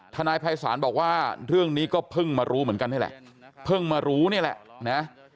ทนายภัยศาลบอกว่าเรื่องนี้ก็เพิ่งมารู้เหมือนกันนี่แหละเพิ่งมารู้นี่แหละนะ